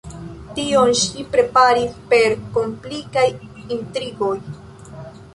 Tion ŝi preparis per komplikaj intrigoj.